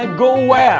aku mau kemana